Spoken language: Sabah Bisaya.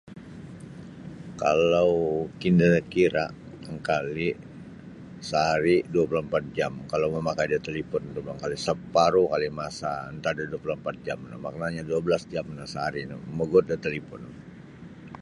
Kalau kinekira' angkali' saari' dua puluh ampat jam kalau mamakai da talipon bangkali' saparuh kali' masa antad dua puluh ampat jam maknanya dua balas jam no saari' no mamaguut da talipon.